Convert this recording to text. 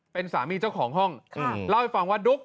เป็นสามีเจ้าของห้องเล่าให้ฟังว่าดุ๊ก